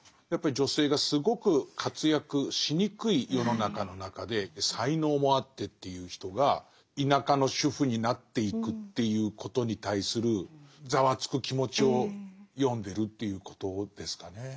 やっぱり女性がすごく活躍しにくい世の中の中で才能もあってという人が田舎の主婦になっていくっていうことに対するざわつく気持ちを詠んでるということですかね。